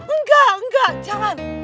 enggak enggak jangan